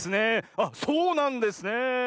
あっそうなんですねえ。